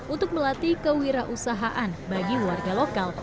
untuk melatih kewirausahaan bagi warga lokal